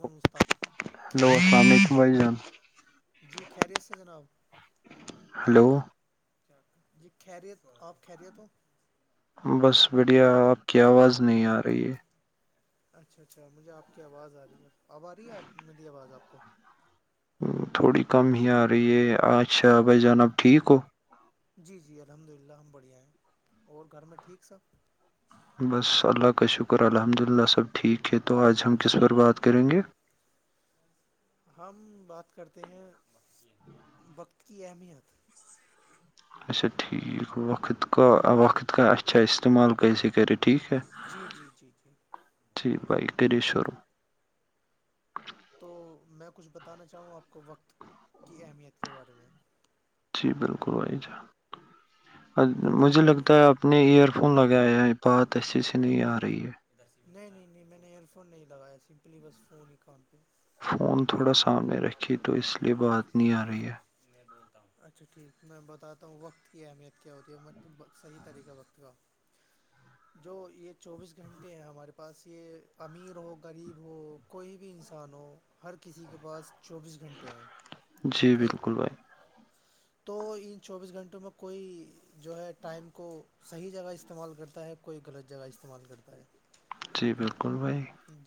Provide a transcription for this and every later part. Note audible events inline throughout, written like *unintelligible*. مسستار *unintelligible* hello اللام کمائی جان *unintelligible* جی خیریت سے جناب ہلو جی خیریت آپ خیریت ہو بس بڑھیا آپ کی آواز نہیں آ رہی ہے اچھا اچھا مجھے آپ کی آواز آ رہی ہے اب آ رہی ہے آپ میری آواز آپ کو تھوڑی کم ہی آ رہی ہے اچھا بھائی جانب ٹھیک ہو *unintelligible* جی جی الحمد للہ ہم بڑھیا ہیں اور گھر میں ٹھیک صاب *unintelligible* بس اللہ کا شکر الحمد اللہ سب ٹھیک ہے تو آج ہم کس پر بات کریں گے ہم بات کرتے ہیں وقت کی اہمیت اچا ٹھیک وقت کا وقت کا اچھا استعمال کیسے کرریے ٹھیک ہے جی جی جی جی جی بھائی کرری شو ر *unintelligible* تو میں کچھ بتانا چاہوں آپ کو وقت کی اہمیت کے بارے میں جی بالکل وائی جا جو مجھے لگتا ہے اپنے ایئر *unintelligible* فون لگایا ہے بات اچسے سے نہیں آ رہی ہے نہیں نہیں نہیں میں نے ایئر فون نہیں لگایا سمپلی بس فون ہی کان پہ فون تھوڑا سامنے رکھی تو اس لیے بات نہیں آ رہی ہے میں بولتا ہوں اچھا ٹھیک میں بتاتا ہوں وقت کیا ہے میرا *unintelligible* کیا ہوتی ہے مت صحیح طریقہ وقت کا جو یہ چوبیس گھنٹے ہیں ہمارے پاس یہ امیر ہو غریب ہو کوئی بھی انسان ہو ہر کسی کے پاس چوبیس گھنٹے ہیں جی ٹھیک بالکل بھائی تو ان چوبیس گھنٹوں میں کوئی جو ہے ٹائم کو صحیح جگہ استعمال کرتا ہے کوئی غلط جگہ استعمال کرتا ہے جی بالکل بھائی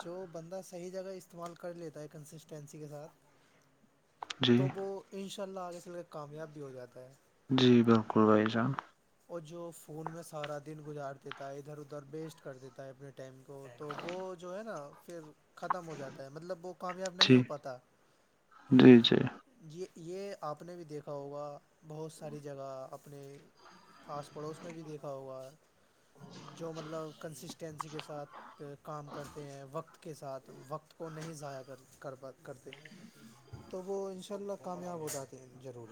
جو بندہ صحیح جگہ استعمال کر لیتا ہے کنسسٹینسی کے ساتھ جی تو وہ ان شاء اللہ آگے چل کے کامیاب بھی ہو جاتا ہے جی بالکل بھائی جانب *unintelligible* اور جو فون میں سارا دن گزار دیتا ہے ادھر ادھر بیسٹ کر دیتا ہے اپنے ٹم کو تو وہ جو ہے نا پھر *unintelligible* ختم ہو جاتا ہے مطلب وہ کامیاب نہیں جی ہو پاتا جی جی ج یہ آپ نے بھی دیکھا دیکھا ہوگا بہت ساری جگہ اپنے آس پڑوس میں بھی دیکھا ہوگا جو مطلب کنسسٹینسی کے ساتھ کام کرتے ہیں وقت کے ساتھ وقت کو نہیں ضائع کر کرا کرتے تو وہ ان شاء اللہ کامیاب ہو جاتے ہیں ضرور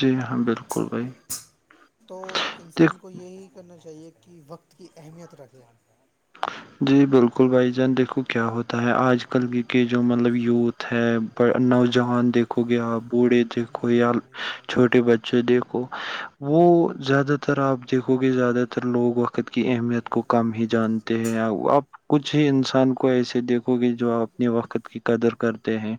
جی ہاں بالکل بھائی تو دیک انسان کو یہی کرنا چاہیے کہ کہ وقت کی اہمیت رکھے جی بالکل بھائی جان دیکھو کیا ہوتا ہے آج کل کی کے جو مطلب یوتھ ہے نوجوان دیکھو گیا بوڑھے دیکھو لوگ ان یا کر رہی تھی آئی ڈی سے چھوٹے بچے دیکھو وہ زیادہ تر آپ دیکھو گے زیادہ تر لوگ و وقت کی اہمیت کو کم ہی جان آپ کچھ ہی انسان کو ایسے دیکھو گے جو آپ اپنے وقت کی قدر کرتے ہیں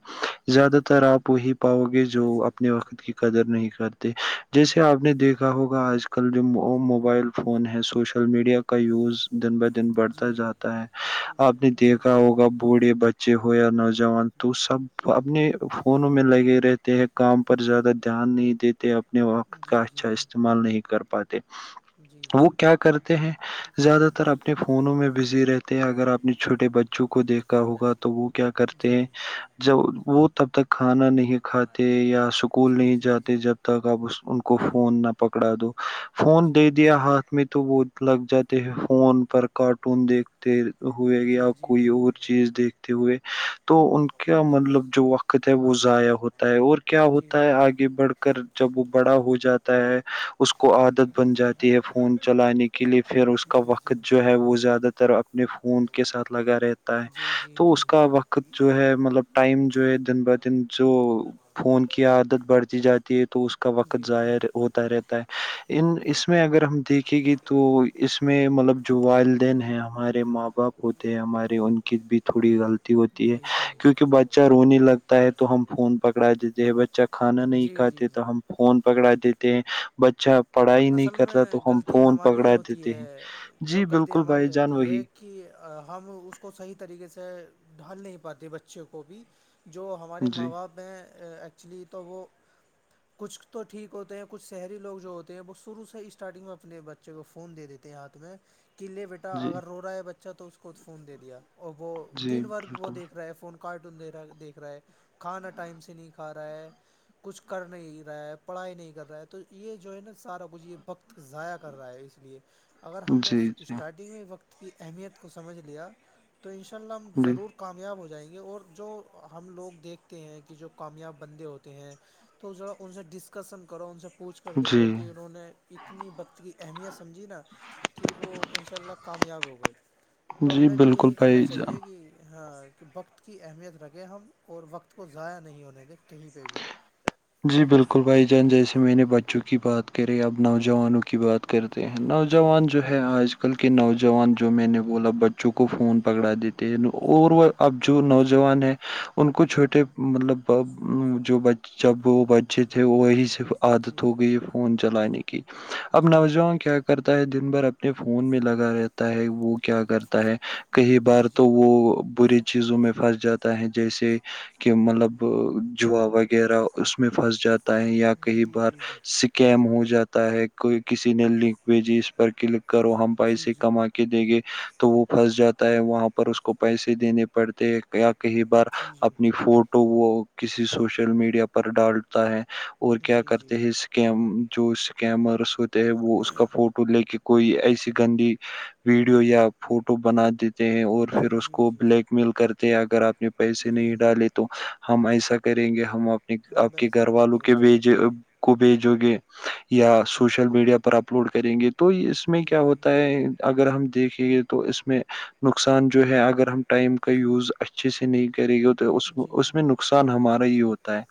زیادہ تر آپ وہی پاؤ گے جو اپنے وقت کی قدر نہیں کر جیسے آپ نے دیکھا ہوگا آج کل جو وہ موبائل فون ہے سوشل میڈیا کا یوز دن بہ جی بڑھتا جی جاتا ہے آپ نے جی دیکھا ہوگا تھوڑے بچے ہو یا نوجوان تو سب اپنے فونوں میں لگے رہے کام پر زیادہ دھیان نہیں دیتے اپنے جی وقت جی کا جی جی اچھا استعمال نہیں کر پاتے جی جی وہ کیا کرتے ہیں زیادہ تر اب فونوں میں بزی رہتے ہیں اگر آپ نے چھوٹے بچوں کو دیکھا جی ہوگا تو وہ کیا کرتے جی ہیں جب وہ تب تک کھانا نہیں کھاتے یا اسکول جی جی جی نہیں جی جی جی جی جی جی جاتے جب تک آپ اس ان کو جی فون نہ پکڑا دو فون دے دیا ہات میں تو وہ لگ جاتے ہیں فون پر کارٹون دیکھتے ہوئے یا کوئی اور چیز دیکھتے ہوئے تو ان کا مطلب جو وقت ہے وہ ضائع ہوتا ہے اور کیا ہوتا ہے آگے بڑھ جب وہ بڑا ہو جاتا ہے اس کو عادت بن جاتی ہے فون چلانے کے لیے پھر اس کا وقت ہے وہ زیادہ تر اپنے فون کے ساتھ لگا رہتے جی جی جی جی جی جی جی تو اس کا وقت جو ہے مطلب ٹائم جو ہے دن ب دن جو فون کی عادت بڑھتی جاتی ہے تو کا وقت ضائع ہوتا رہتا ہے ان اس میں اگر ہم دیکھے گی تو اس میں مطلب جو والائدین ہے ہمارے ماں باپ ہوتے ہمارے ان کی بھی تھوڑی غلط ہوتی ہے کیونکہ بچہ رونے لگتا ہے تو ہم فون جی پکڑا دیتے ہیں بچہ کو کھانا نہیں جی جی کھاتے تو جی ہم فون پکڑا دیتے ہیں بچہ پڑھائی نہیں اصل میں کرتا تو ہم غلطی فون ہماری پکڑا ہوتی دیتے ہیں ہے جو جی غلطی بالکل ہماری ہوتی ہے کہ ہم اس کو صحیح طریقے سے ڈھال نہیں پاتے بچے کو بھی جو ہمارے جی ماں باپ میں ایکچولی تو وہ کچھ تو ٹھیک ہوتے ہیں کچھ شہری لوگ جو ہوتے وہ شرو سے اسٹارٹنگ میں اپنے بچے کو فون دے دیتے ہیں ہاتھ میں کہ لے بیٹے جی اگر رو رہا ہے بچہ تو اس کو فون دے دیا اور وہ جی دن بھر وہ بالکل دیک رہا ہے فون کو کارٹون دے رہا دیکھ رہا ہے کھانا ٹائم سے نہیں کھا رہا ہے کچھ کر نہیں رہا ہے پڑھائی نہیں کر رہا ہے تو یہ جو ہے نا سارا کچھ یہ وقت ضائع کر رہا ہے اس لیے اگر ہم نے جی جی اسٹارٹنگ میں وقت کی اہمیت کو سمجھ لیا تو ان شاء اللہ ہم جی ضرور کامیاب ہو جائیں گے اور جو ہم لوگ دیکھتے ہیں کہ جو کامیاب بندے ہوتے ہیں توذا ان سے ڈسکسن کرو ان سے پوچھ کر جی دیکھو کہ انہوں نے اتنی وقت کی اہمیت سمجھی نا کہ وہ ان شاء اللہ کامیاب ہو گئے تو جی ہمیں بھی بالکل یہی کرنا بھائی جان چاہیے کہ ہاں کہ وقت کی اہمیت رکھیں ہم اور وقت کو ضائع نہیں ہونے دے کہیں پہ بھی جی بالکل بھائی جان جیسے میں نے بچوں کی بات کرے اب نوجوانوں کی بات کرتے ہیں جی نوجوان جی جو ہے آج آ کل کے نوجوان جو میں نے بولا بچوں کو فون پکڑا دیتے ہیں اور وہ اب جو نوجوان ہیں ان کو چھوٹے مطلب جو جب وہ بچے تھے وہ سے جی عادت ہو گئی ہے فون چلانے کی اب جی جی نوجوان کیا کرتا ہے دن بھر اب اپنے فون میں لگا رہتا ہے وہ کیا کرتا ہے کئی بار جی تو جی وہ برے چیزوں میں پھنس جاتا ہے جیسے کہ مطلب جوا وغیرہ اس میں پھنس جاتا ہے یا کئی جی بار جی س کیم ہو جاتا ہے کوئی کسی نے لنک بھیجی اس پر کلک کرو ہم جی جی پیسے جی کما دے گے تو وہ پھنس جاتا ہے وہاں پر اس کو پیسے دینے پڑتے ہیں کئی بار جی جی اپنی فوٹو وہ کسی سوشل میڈیا پر ڈالتا ہے اور کیا جی جی جی کرتے جی ہے اسکم جو اسکیمرس ہوتے ہے وہ اس کا فوٹو لے کے کوئی ایسی گندی ویڈیو یا فوٹو بنا دیتے ہیں اور پھر اس جی کو جی بلیک مل کرتے ہیں اگر آپ نے پیسے جی نہیں جی ڈالے تو ہم ایسا کریں گے ہم آ ہم آپ کے ویسا گھر کر والوں دیں گے کے ٹھیک بیج ٹھیک کو بھیجو گے یا سوشل میڈیا پر اپلوڈ کریں گے تو اس میں کیا جی ہوتا ہے اگر ہم دیکھیں گے تو اس میں نقصان جو ہے اگر ہم ٹائم کا جی جی یوز اا اچھے سے نہیں کرے گی تو جی اس جی میں نقصان ہمارا ہی ہوتا ہے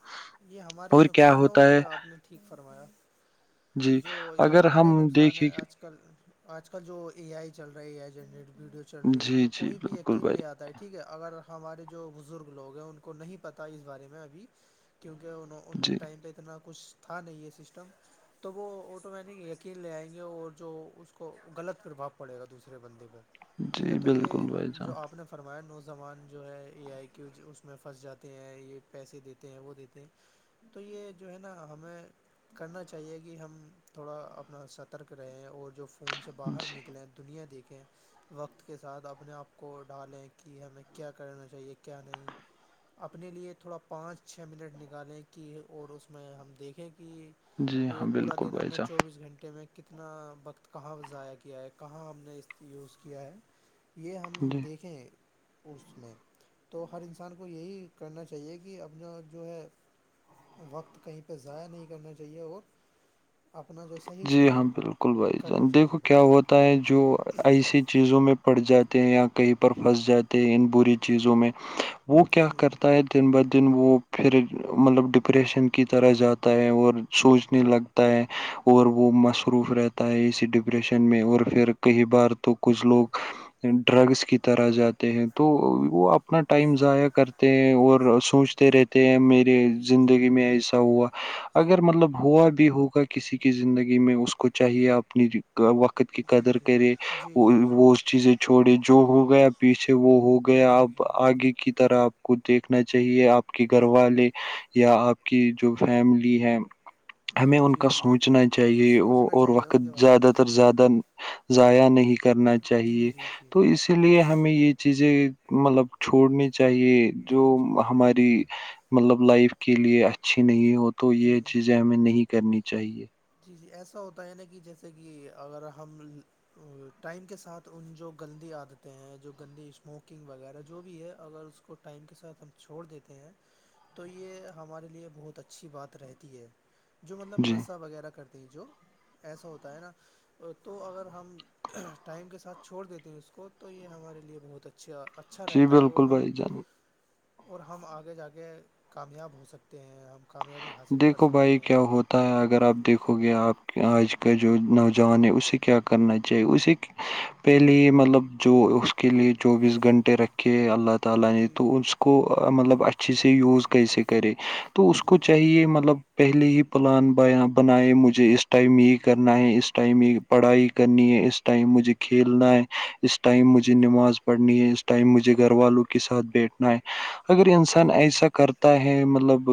یہ ہمارے ہی اور کیا نقصان ہے اور ہوتا کیا آپ نے ٹھیک فرمایا جی جو اگر ہمارے ہم نقصان دیکھیں ہے کہ آج کل آج کل جو اے آئی چل رہا ہے اے آئی جنریٹ ویڈیو چل رہی ہے جی تو جی کوئی بھی بالکل یینل بھائی لے آتا ہے ٹھیک ہے اگر ہمارے جو بزرگ لوگ ہیں ان کو نہیں پتہ اس بارے میں ابھی کیونکہ انہوں ان کے جی ٹائم پہ اتنا کچھ تھا نہیں یہ سسٹم تو وہ آٹومیٹک یقین لے آئیں گے اور جو اس کو غلط پربھؤ پڑے گا دوسرے بندے پہ ٹھیک ہے جی تو بالکل یہ بھائی جو جان آپ نے فرمان نوجومان جو ہے یہ آئی کی اس میں پھنس جاتے ہیں یہ پیسے دیتے ہیں وہ دیتے تھے تو یہ جو ہے نا ہمیں کرنا چاہیے کہ ہم تھوڑا اپنا سترک رہیں اور جو فون سے باہر جی نکلیں دنیا دیکھیں وقت کے ساتھ اپنے آپ کو ڈھالیں کہ ہمیں کیا کرنا چاہیے کیا نہیں اپنے لیے تھوڑا پانچ چھ منٹ نکل الیں کی اور اس میں ہم دیکھیں کہ جی یہ ہاں پورا بالکل دن ہم بھائی نے جان چوبیس گھنٹے میں کتنا وقت کہاں ضائع کیا ہے کہاں ہم نے اس یوز کیا ہے یہ ہم جی دیکھیں اس میں تو ہر انسان کو یہی کرنا چاہیے کہ اپنا جو ہے وقت کہیں پہ ضائع نہیں کرنا چاہیے اور اپنا جو صحیح جی ہاں استعمال بالکل بھائی کرنا جان چاہیے دیکھو کیا بٹ ہوتا ہے جو ایسی چیزوں میں پھٹ جاتے ہیں یا کہیں پر جی پھنس جاتے ہیں ان بری چیزوں میں وہ کیا جی کرتا ہے دن بہدن وہ پھر مطلب ڈپریشن کی طرح جاتا ہے اور سوچنے لگ ت اور وہ مصروف رہتا ہے اسی ڈپریشن میں اور پھر کئی بار تو کچھ لوگ ڈرگس کی طرح جاتے ہیں تو وہ اپنا ٹائم ضائع کرتے ہیں اور سوچتے رہتے ہیں میری زندگی میں ایسا ہوا اگر مطلب ہوا بھی ہوگا کسی کی زندگی میں اس کو چاہیے اپنی وقت قت کی جی قدر کرے جی جی جی جی وہ اس چیزیں چھوڑے جو ہو گیا پیچھے وہ ہو گیا جی اب جی آگے کی طرح کو دیکھنا چاہیے آپ کے گھر والے یا آپ کی جو فیملی ہے جی جی جی پچنا چاہیے وہ سوچنا اور چاہیے ان وقت کے بارے میں زیادہ جی تر جی زیادہ ضائع نہیں کرنا جی چاہیے جی جی تو جی اس اس لیے ہمیں یہ چیزیں مطلب چھوڑنی چاہیے جو جی جی جی جی ہماری مطلب لائف کے لیے اچھی نہیں ہوتی تو جی یہ چیزیں ہمیں نہیں کرنی چاہیے جی ایسا ہوتا ہے نا کہ جیسے کہ اگر ہم ٹائم کے ساتھ ان جو گندی عادتیں ہیں جو گندی اسموکنگ وغیرہ جو بھی ہے اگر اس اس کو ٹائم کے ساتھ ہم چھوڑ دیتے ہیں تو یہ ہمارے لیے بہت اچھی بات رہتی ہے جو مطلب جی نشہ وغیرہ کرتے ہیں جو ایسا ہوتا ہے نا تو اگر ہم ٹائم کے ساتھ چھوڑ دیتے ہیں اس کو تو یہ ہمارے لیے بہت اچھا اچھا اچھا جی رہتا ہے اور بالکل ہم بھائی جان اور ہم آگے جا کے کامیاب ہو سکتے ہیں ہم کامیابی حاصل کر دیکھو سکتے بھائی ہیں کیا ہوتا ہے اگر آپ دیکھو گے آپ کہ آج کا جو نوجوان ہے اسے کیا کرنا چاہیے اسے پہلے ہی مطلب جو اس کے لیے چوبیس گھنٹے رکھے اللہ جی جی مطلب اچھی سی یوز کیسے کرے تو اس جی کو جی چاہیے مطلب پہلے ہی پلان بنائے مجھے اس ٹائم یہ کرنا ہے اس ٹائم یہ پڑھائی کرنی ہے اس ٹائم مجھے کھیلنا ہے اس ٹائم مجھے جی جی نماز پڑھنی ہے اس ٹائم مجھے گھر والوں کے ساتھ بیٹھنا ہے اگر انسان جی جی ایسا کرتا ہے مطلب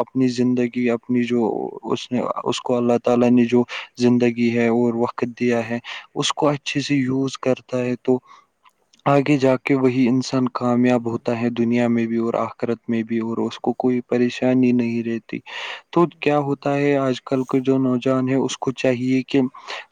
اپنی زندگی اپنی جو اس نے اس کو اللہ تعالی ہے اور وقت دیا ہے اس کو اچھے سے یوز کرتا ہے تو آگے جا کے وہی انسان جی کامیاب ہوتا ہے دنیا میں بھی اور آخرت میں بھی اور اس کو کوئی پریشانی انی نہیں رہتی تو جی کیا جی ہوتا ہے آج کل کل کے جو نوجوان ہے اس کو چاہیے کہ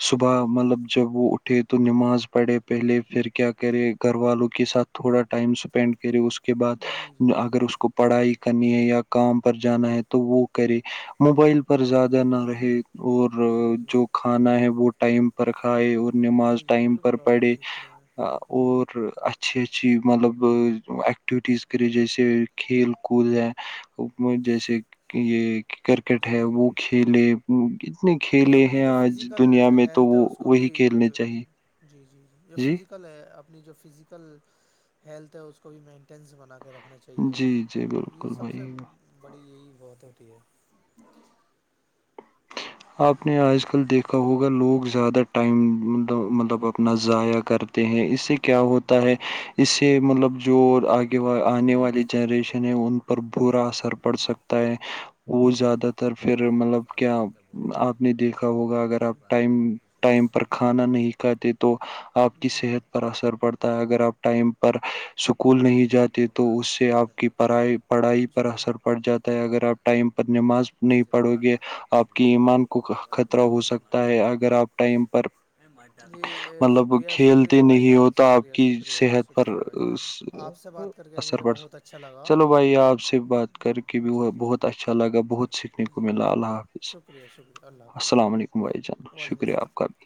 صبح مطلب جب وہ اٹ ے تو نماز پڑے پہلے پھر کیا کرے گھر والوں کے ساتھ تھوڑا ٹائم اسپینڈ کرے اس کے کے بعد جی جی اگر اس کو پڑھائی کرنی ہے یا کام پر جانا ہے تو وہ کرے موبائل پر زیادہ نہ رہے اور جی جی جو کھانا ہے وہ ٹائم پر کھائے اور جی نماز جی ٹائم پر بالکل آپ نے پڑے ٹھیک کروایا جی اور اچھی اچھی مطلب ایکٹیویٹیز کرے جیسے کھیل کود ہے حکت جیسے یہ کرکٹ جی ہے جی وہ کھیلے کتنے جی کھیلے اپنے ہیں جو آج فزیکل دنیا میں تو ہیلتھ ہے وہ اس کو بھی وہی کھیلنے چاہیے جی جی جی جو فزیکل ہے اپنی جو فزیکل ہیلتھ ہے اس کو بھی مینٹ ٹینس بنا کے رکھنا چاہیے جی جی یہ بالکل سب سے بھائی بڑی یہی بہت ہوتی ہے آپ نے آج کل دیکھا کا ہوگا لوگ زیادہ ٹائم مطلب اپنا ضائع کرتے ہیں اس سے کیا ہوتا ہے اس سے مطلب جو آگےا آنے والی جنریشن ہے ان پر برا اثر پڑ سکتا ہے وہ جی جی زیادہ تر پھر مطلب کیا آپ نے دیکھا ہوگا اگر آپ ٹائم ٹائم پر کھانا نہیں کھاتے تو آپ کی جی صحت پر اثر پڑتا ہے اگر آپ ٹائم پر اسکول نہیں جاتے تو اس سے آپ کی پڑھائی پڑھائی جی پر جی اثر پڑ جاتا ہے اگر آپ ٹائم پر نماز نہیں پڑو گے آپ کی ایمان کو جی خطرہ جی ہو سکتا ہے اگر آپ ٹائم پر جی مطلب شکریہ شکریہ کھیلتے بھائی نہیں جان ہوتا آپ شکریہ کی شکریہ صحت پر شکریہ بھائی جان آپ سے بات کر کے اثر مجھے پڑ بہت اچھا لگا چلو بھائی آپ سے بات کر کے بھی جی وہ جی بہت اچھا اچھا لگا بہت سیکھنے کو جی ملا اللہ حافظ شکریہ شکریہ اللہ *unintelligible* السلام علیکم بھائی جان وعلیکم شکریہ السلام آپ کا بھی